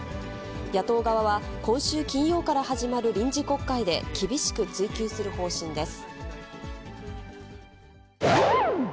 野党側は、今週金曜から始まる臨時国会で厳しく追及する方針です。